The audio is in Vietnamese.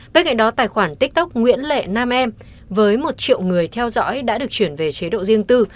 bên cạnh đó tài khoản tiktok nguyễn lệ nam em với một triệu người theo dõi đã được chuyển về chế độ riêng tư